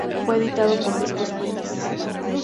Fue editado por Discos Fuentes.